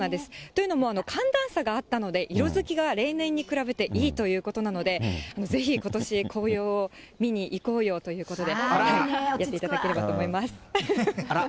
というのも寒暖差があったので、色づきが例年に比べていいということなので、ぜひ、ことし、紅葉を見にいこうようということで、やっていただければと思いまあら。